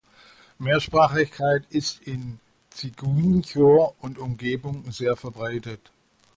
Mehrsprachigkeit ist in Ziguinchor und Umgebung sehr verbreitet.